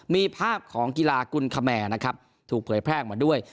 มีภาพของกีฬากุลคแมร์นะครับถูกเผยแพร่ออกมาด้วย